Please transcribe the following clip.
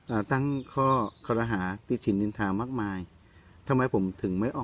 อ่าตั้งข้อคอรหาติดฉินนินทามากมายทำไมผมถึงไม่ออก